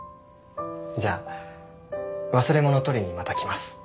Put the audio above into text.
じゃあ忘れ物取りにまた来ます。